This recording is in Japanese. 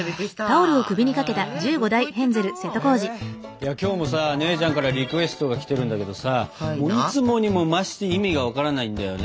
いや今日もさ姉ちゃんからリクエストが来てるんだけどさもういつもにも増して意味が分からないんだよね。